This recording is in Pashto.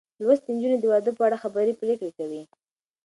لوستې نجونې د واده په اړه خبرې پرېکړې کوي.